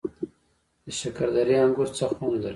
د شکردرې انګور څه خوند لري؟